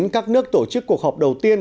các nước tổ chức cuộc họp đầu tiên